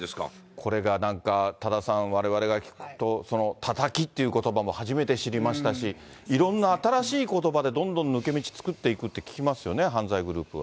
これが、なんか多田さん、われわれが、たたきっていうことばも初めて知りましたし、いろんな新しいことばでどんどん抜け道作っていくって聞きますよね、犯罪グループは。